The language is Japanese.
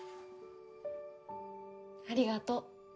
ありがとう。